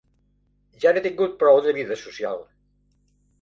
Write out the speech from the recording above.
Ja n'he tingut prou, de vida social.